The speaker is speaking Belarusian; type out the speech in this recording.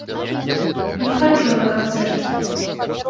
Не хаджу на канцэрты.